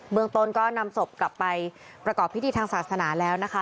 เมืองต้นก็นำศพกลับไปประกอบพิธีทางศาสนาแล้วนะคะ